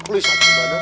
kulis satu badang